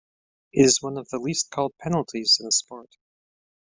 It is one of the least-called penalties in the sport.